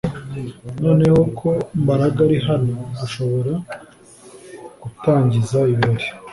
Noneho ko Mbaraga ari hano dushobora gutangiza ibirori